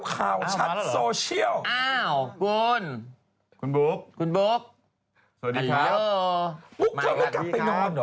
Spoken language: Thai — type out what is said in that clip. สวัสดีค่า